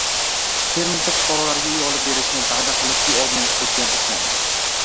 Termizda fuqarolarga uy olib berishni va’da qilib, pul olgan firibgar ushlandi